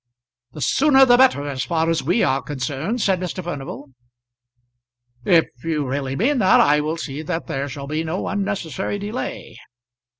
"The sooner the better as far as we are concerned," said Mr. Furnival. "If you really mean that, I will see that there shall be no unnecessary delay."